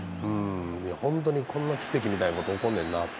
本当にこんな奇跡みたいなこと起こんねんな。